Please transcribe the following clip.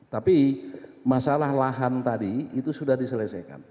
tapi masalah lahan tadi itu sudah diselesaikan